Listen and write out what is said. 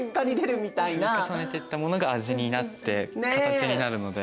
積み重ねていったものが味になって形になるので。